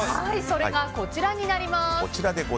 それがこちらになります。